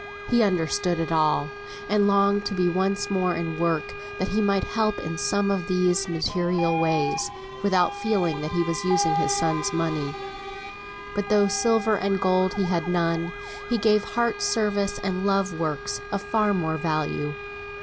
He understood it all, and longed to be once more in work, that he might help in some of these material ways, without feeling that he was using his son's money. But though "silver and gold he had none," he gave heart service and love works of far more value.